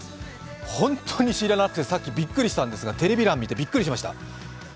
本当に知らなくてさっきびっくりしたんですが、テレビ欄見てびっくりしました。